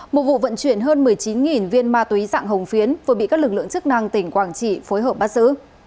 một vụ vận chuyển hơn một mươi chín viên ma túy dạng hồng phiến vừa bị các lực lượng chức năng tỉnh quảng trị phối hợp bắt giữ